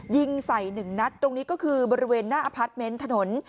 ยิงใส่หนึ่งนัดตรงนี้ก็คือบริเวณหน้าอพาร์ทเมนต์ถนน